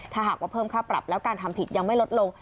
ถ้าหากว่าเพิ่มค่าปรับแล้วการทำผิดยังไม่ลดลง